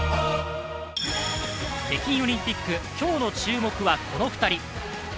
北京オリンピック、今日の注目はこの２人。